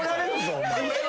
お前。